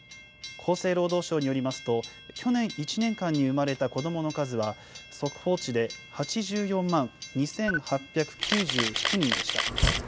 厚生労働省によりますと、去年１年間に産まれた子どもの数は、速報値で８４万２８９７人でした。